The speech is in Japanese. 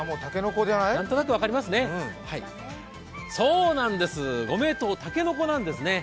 なんとなく分かりますね、そうなんです、ご名答、たけのこなんですね。